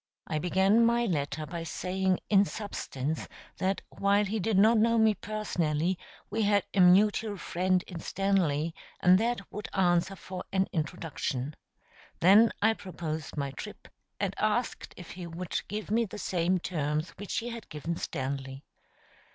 I began my letter by saying in substance that while he did not know me personally we had a mutual friend in Stanley, and that would answer for an introduction. Then I proposed my trip, and asked if he would give me the same terms which he had given Stanley.